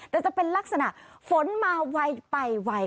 แต่จะเป็นลักษณะฝนมาไวไปไว